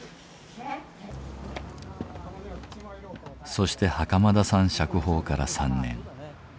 そして袴田さん釈放から３年。